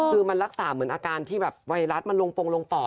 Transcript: คือมันรักษาเหมือนอาการที่แบบไวรัสมันลงปงลงปอด